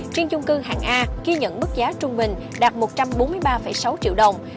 trên chung cư hàng a ghi nhận mức giá trung bình đạt một trăm bốn mươi ba sáu triệu đồng